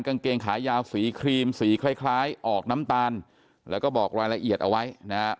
กางเกงขายาวสีครีมสีคล้ายคล้ายออกน้ำตาลแล้วก็บอกรายละเอียดเอาไว้นะฮะ